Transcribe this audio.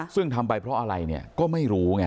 ซึ่งทำไปเพราะอะไรเนี่ยก็ไม่รู้ไง